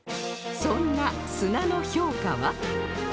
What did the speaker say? そんな砂の評価は？